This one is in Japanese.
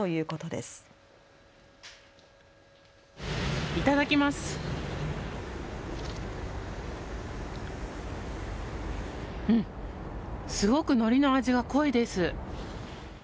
すごくのりの味が濃いです。